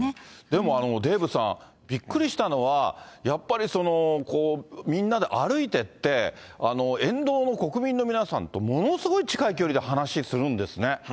でもデーブさん、びっくりしたのは、やっぱりみんなで歩いていって、沿道の国民の皆さんとものすごい近い距離で話するんですね。